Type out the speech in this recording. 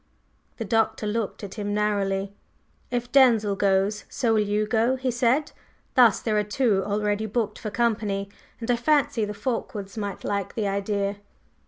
The Doctor looked at him narrowly. "If Denzil goes, so will you go," he said. "Thus there are two already booked for company. And I fancy the Fulkewards might like the idea."